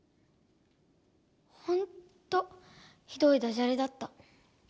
ほんとひどいダジャレだった。